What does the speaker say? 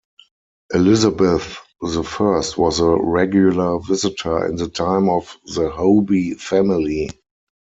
Elizabeth the First was a regular visitor in the time of the Hoby family.